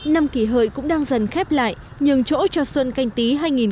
năm kỳ hơi cũng đang dần khép lại nhường chỗ cho xuân canh tí hai nghìn hai mươi